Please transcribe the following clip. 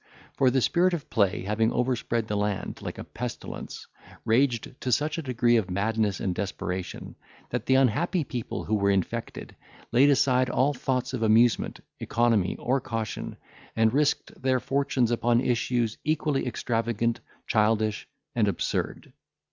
For the spirit of play having overspread the land, like a pestilence, raged to such a degree of madness and desperation, that the unhappy people who were infected, laid aside all thoughts of amusement, economy, or caution, and risked their fortunes upon issues equally extravagant, childish, and absurd.